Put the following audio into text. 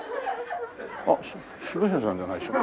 あっ下平さんじゃないでしょ？